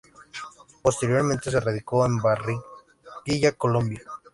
Posteriormente, se radicó en Barranquilla, Colombia.